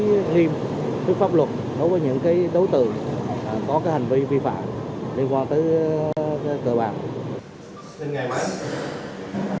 đối với nghiêm với pháp luật đối với những cái đối tượng có cái hành vi vi phạm liên quan tới cơ bạc